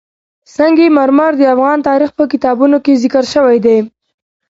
سنگ مرمر د افغان تاریخ په کتابونو کې ذکر شوی دي.